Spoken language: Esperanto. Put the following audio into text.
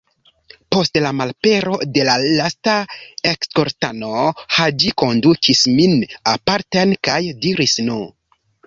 Post la malapero de la lasta eskortano, Haĝi kondukis min aparten kaj diris: "Nu!"